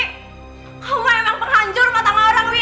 kamu emang penghancur mata orang wi